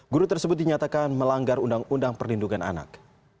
guru tersebut dinyatakan melanggar undang undang perlindungan anak